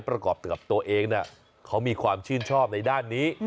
ประกอบกับตัวเองเขามีความชื่นชอบในด้านนี้